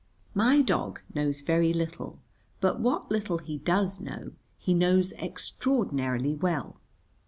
My dog knows very little, but what little he does know he knows extraordinarily well.